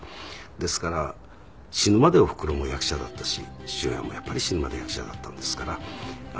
ですから死ぬまでおふくろも役者だったし父親もやっぱり死ぬまで役者だったんですから。